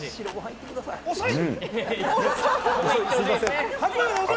遅い！